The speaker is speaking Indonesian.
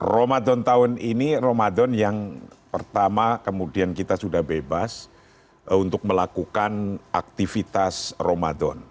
ramadan tahun ini ramadan yang pertama kemudian kita sudah bebas untuk melakukan aktivitas ramadan